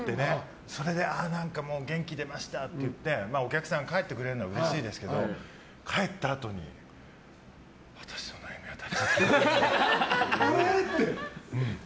それで元気出ましたって言ってお客さん帰ってくれるのはうれしいですけど帰ったあとに、私の悩みは切ない。